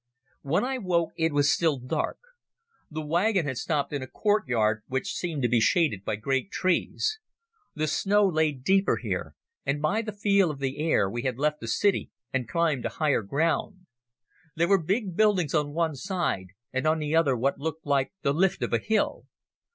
When I woke it was still dark. The wagon had stopped in a courtyard which seemed to be shaded by great trees. The snow lay deeper here, and by the feel of the air we had left the city and climbed to higher ground. There were big buildings on one side, and on the other what looked like the lift of a hill.